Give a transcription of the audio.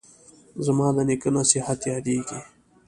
زما د نیکه نصیحت یادیږي